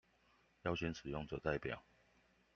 邀請使用者代表